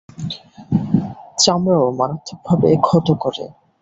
চামড়াও মারাত্মকভাবে ক্ষত করে।